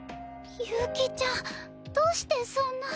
悠希ちゃんどうしてそんな。